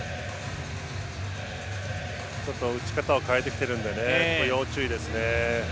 ちょっと打ち方を変えてきているので要注意ですね。